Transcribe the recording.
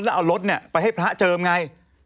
แล้วเอารถไปให้พระเจิมไง